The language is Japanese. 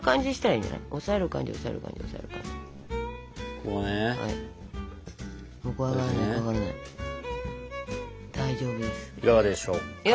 いかがでしょうか？